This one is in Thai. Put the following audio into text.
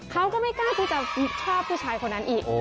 เขาก็ไม่กล้าที่จะชอบผู้ชายคนนั้นอีก